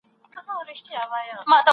شیخ ویله میکدې ته ځه جواز دی